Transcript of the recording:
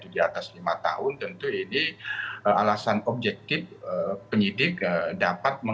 dan tentu kita akan melihat